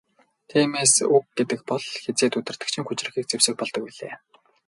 Тиймээс үг гэдэг бол хэзээд удирдагчийн хүчирхэг зэвсэг болдог билээ.